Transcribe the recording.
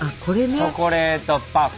チョコレートパフェ。